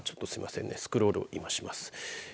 今スクロールをします。